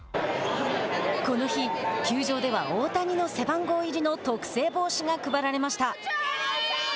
この日、球場では大谷の背番号入りの特製帽子が配られました。